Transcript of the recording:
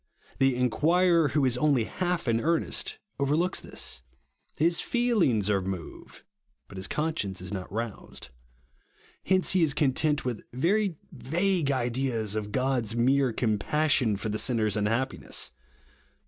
The inquirer who is only half in earnest overlooks this. His feelivgs are moved, but his conscience is not roused. Hence he is content with very vague ideas of God's mere compassion for the sinner's unhappiness.